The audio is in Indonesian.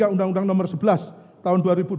undang undang nomor sebelas tahun dua ribu dua